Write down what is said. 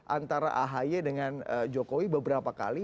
antara ahy dengan jokowi beberapa kali